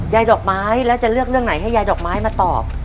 ดอกไม้แล้วจะเลือกเรื่องไหนให้ยายดอกไม้มาตอบ